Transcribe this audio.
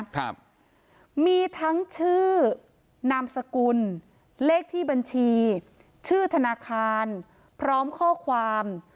ครับมีทั้งชื่อนามสกุลเลขที่บัญชีชื่อธนาคารพร้อมข้อความ